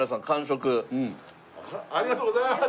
ありがとうございます！